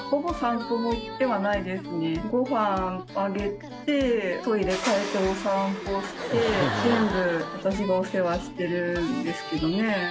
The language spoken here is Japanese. ごはんあげてトイレ替えてお散歩して全部私がお世話してるんですけどね